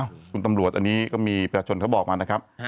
คุณตำรวจอันนี้ก็มีประชาชนเขาบอกมานะครับ